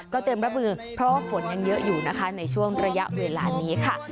เตรียมรับมือเพราะว่าฝนยังเยอะอยู่นะคะในช่วงระยะเวลานี้ค่ะ